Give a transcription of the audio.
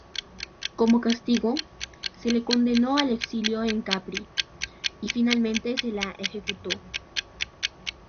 Como castigo, se le condenó al exilio en Capri y finalmente se la ejecutó.